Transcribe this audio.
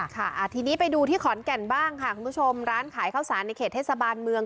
ค่ะทีนี้ไปดูที่ขอนแก่นบ้างค่ะคุณผู้ชมร้านขายข้าวสารในเขตเทศบาลเมือง